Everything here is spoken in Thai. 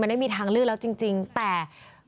ไม่มีทางเลือกแล้วจริงแต่